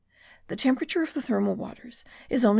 The temperature of the thermal waters is only 43.